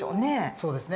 そうですね。